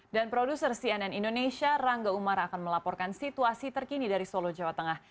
dan produser cnn indonesia rangga umar akan melaporkan situasi terkini dari solo jawa tengah